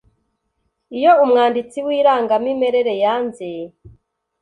iyo umwanditsi w irangamimerere yanze